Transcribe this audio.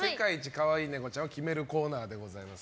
かわいいネコちゃんを決めるコーナーでございます。